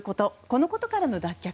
このことからの脱却。